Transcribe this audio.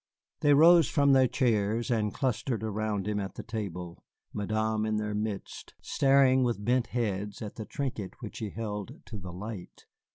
They rose from their chairs and clustered around him at the table, Madame in their midst, staring with bent heads at the trinket which he held to the light.